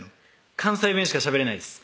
関西弁しかしゃべれないです